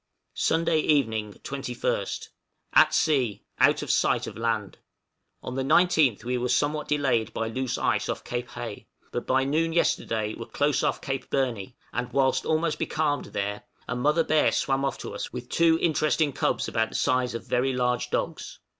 Sunday evening, 21st. At sea out of sight of land! On the 19th we were somewhat delayed by loose ice off Cape Hay, but by noon yesterday were close off Cape Burney, and whilst almost becalmed there, a mother bear swam off to us with two interesting cubs about the size of very large dogs.